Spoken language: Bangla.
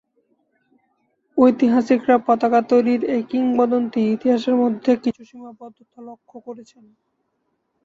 ঐতিহাসিকরা পতাকা তৈরির এই কিংবদন্তী ইতিহাসের মধ্যে কিছু সীমাবদ্ধতা লক্ষ্য করেছেন।